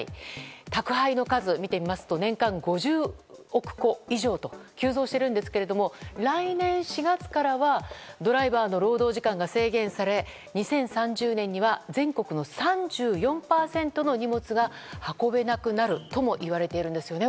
宅配の数、見てみますと年間５０億個以上と急増しているんですけども来年４月からはドライバーの労働時間が制限され２０３０年には全国の３４％の荷物が運べなくなるともいわれているんですよね